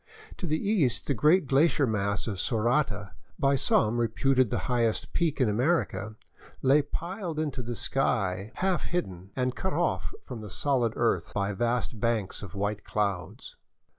To the east the great glacier mass of Sorata, by some reputed the highest peak in America, lay piled into the sky, half hidden and cut off from the solid earth by vast banks of white clouds.